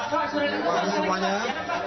tahan pak tahan pak